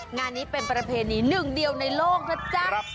งานนี้เป็นประเพณีหนึ่งเดียวในโลกนะจ๊ะ